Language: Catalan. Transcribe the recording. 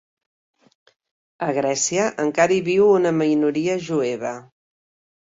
A Grècia encara hi viu una minoria jueva.